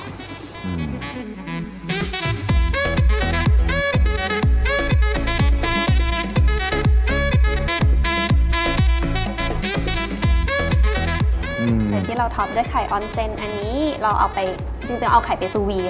เดี๋ยวที่เราทอปด้วยไข่ออนเซ็นค์อันนี้จริงเอาไข่ไปซูวีค่ะ